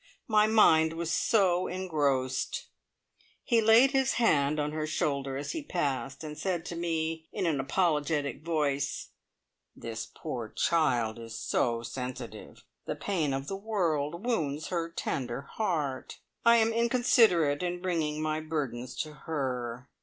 My mind was so engrossed." He laid his hand on her shoulder as he passed, and said to me, in an apologetic voice, "This poor child is so sensitive. The pain of the world wounds her tender heart. I am inconsiderate in bringing my burdens to her."